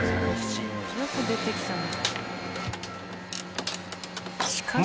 よく出てきたね。